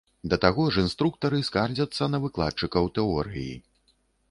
Да таго ж інструктары скардзяцца на выкладчыкаў тэорыі.